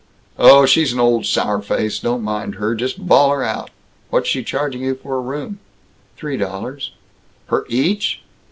"Oh, she's an old sour face. Don't mind her. Just bawl her out. What's she charging you for a room?" "Three dollars." "Per each?